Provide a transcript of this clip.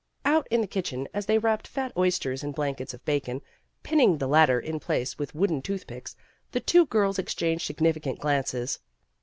Out in .the kitchen as they wrapped fat oysters in blankets of bacon, pinning the latter in place with wooden tooth picks, the two girls exchanged significant glances.